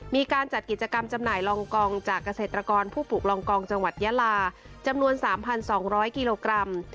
มีการจัดกิจกรรมจำหน่ายลองกองจากเกษตรกรผู้ปลูกลองกองจังหวัดยาลาจำนวน๓๒๐๐กิโลกรัม